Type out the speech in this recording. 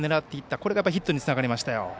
これがヒットにつながりましたよ。